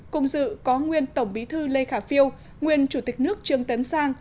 cùng dự có nguyên tổng bí thư lê khả phiêu nguyên chủ tịch nước trương tấn sang